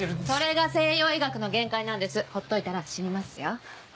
それが西洋医学の限界なんですほっといたら死にますよ。